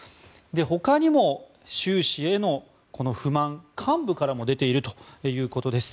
ほかにも習氏への不満幹部からも出ているということです。